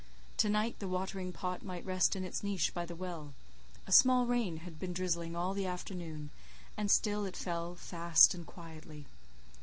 To night the watering pot might rest in its niche by the well: a small rain had been drizzling all the afternoon, and still it fell fast and quietly.